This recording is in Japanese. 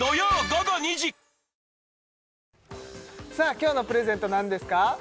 今日のプレゼント何ですか？